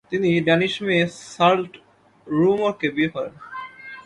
তিনি ড্যানিশ মেয়ে সার্লট রুউমোরকে বিয়ে করেন।